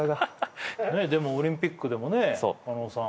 でもオリンピックでもね加納さん